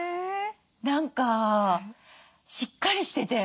何かしっかりしてて。